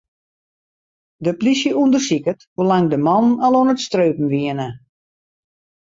De plysje ûndersiket hoe lang de mannen al oan it streupen wiene.